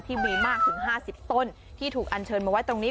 ที่มีมากถึง๕๐ต้นที่ถูกอัญเชิญมาไว้ตรงนี้